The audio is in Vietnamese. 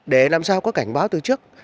để làm sao có cảnh báo từ trước